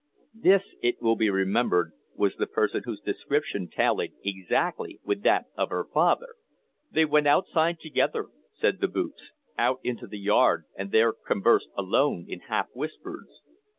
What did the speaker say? This, it will be remembered, was the person whose description tallied exactly with that of her father. "They went outside together," said the boots, "out into the yard, and there conversed alone in half whispers.